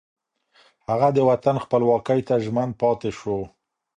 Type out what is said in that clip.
هغه د وطن خپلواکۍ ته ژمن پاتې شو